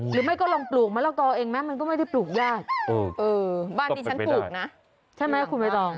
หรือไม่ก็ลองปลูกมะละกอเองมันก็ไม่ได้ปลูกยาก